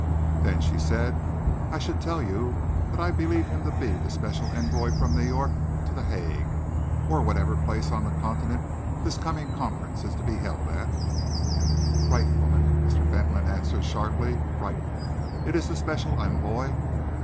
"Then," she said, "I should tell you that I believe him to be the special envoy from New York to The Hague, or whatever place on the Continent this coming conference is to be held at." "Right, woman!" Mr. Fentolin answered sharply. "Right! It is the special envoy.